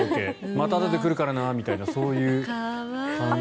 また出てくるからなみたいなそういう感じ。